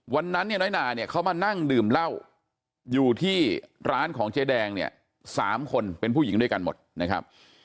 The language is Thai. วันนั้นเนี่ยน้อยนาเนี่ยเขามานั่งดื่มเหล้าอยู่ที่ร้านของเจ๊แดงเนี่ย๓คนเป็นผู้หญิงด้วยกันหมดนะครับ